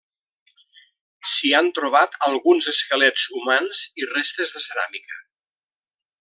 S'hi han trobat alguns esquelets humans i restes de ceràmica.